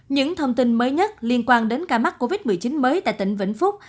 những thông tin mới nhất liên quan đến ca mắc covid một mươi chín mới tại tỉnh vĩnh phúc